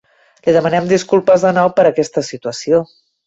Li demanem disculpes de nou per aquesta situació.